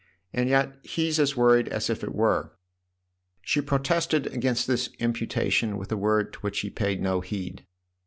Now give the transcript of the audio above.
"And yet he's as worried as if it were." She protested against this imputation with a word to which he paid no heed.